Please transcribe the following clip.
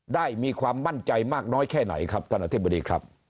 ได้มีความมั่นใจมากน้อยแค่ไหนครับท่านอธิบดีครับ